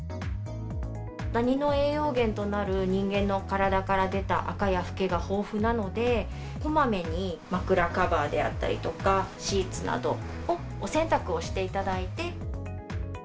ダニの栄養源となる、人間の体から出た、あかやふけが豊富なので、こまめに枕カバーであったりとか、シーツなどをお洗濯をしていただいて。